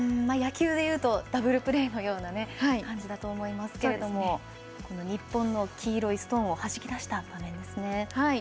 野球で言うとダブルプレーのような感じだと思いますけれどもこの日本の黄色いストーンをはじき出した場面です。